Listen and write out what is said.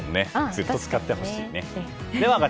ずっと使ってほしいね。